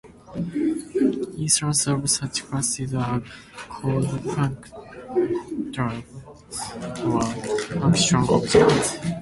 Instances of such classes are called functors or function objects.